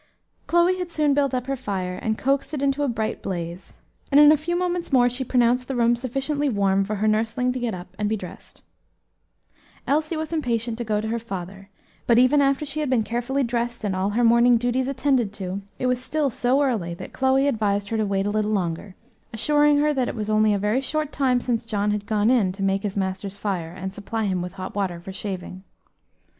Chloe had soon built up her fire and coaxed it into a bright blaze, and in a few moments more she pronounced the room sufficiently warm for her nursling to get up and be dressed. Elsie was impatient to go to her father; but, even after she had been carefully dressed and all her morning duties attended to, it was still so early that Chloe advised her to wait a little longer, assuring her that it was only a very short time since John had gone in to make his master's fire and supply him with hot water for shaving.